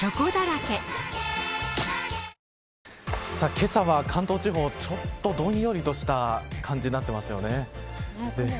けさは関東地方ちょっと、どんよりとした感じになってますよね。